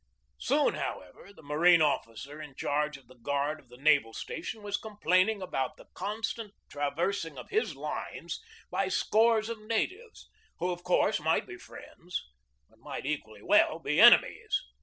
Soon, however, the marine officer in charge of the guard of the naval station was complaining about the constant traversing of his lines by scores of na tives, who, of course, might be friends, but might equally well be enemies.